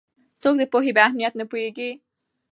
څوک د پوهې په اهمیت نه پوهېږي؟